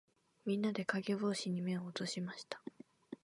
みんなで、かげぼうしに目を落としました。